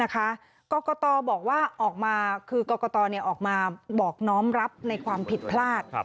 กรกตบอกว่าออกมาคือกรกตออกมาบอกน้อมรับในความผิดพลาด